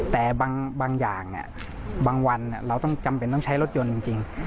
แต่บางอย่างบางวันเราต้องจำเป็นต้องใช้รถยนต์จริง